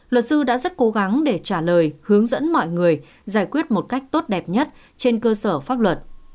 luật sư đã rất cố gắng để trả lời hướng dẫn mọi người giải quyết một cách tốt đẹp nhất trên cơ sở pháp luật